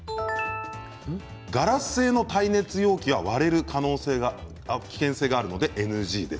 ガラス製の耐熱容器は割れる危険性があるのでＮＧです。